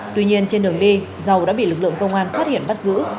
tuy nhiên trên đường đi dầu đã bị lực lượng công an phát hiện bắt giữ